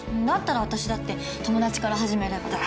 だったら私だって友達から始めれば。